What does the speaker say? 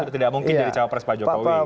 tidak mungkin jadi calon presiden pak jokowi